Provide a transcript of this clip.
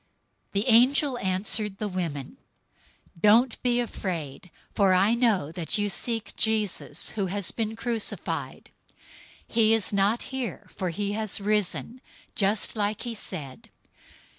028:005 The angel answered the women, "Don't be afraid, for I know that you seek Jesus, who has been crucified. 028:006 He is not here, for he has risen, just like he said.